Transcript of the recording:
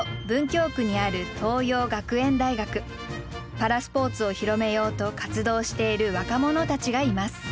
パラスポーツを広めようと活動している若者たちがいます。